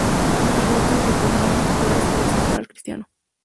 San Jorge es uno de los personajes más populares del santoral cristiano.